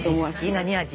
何味？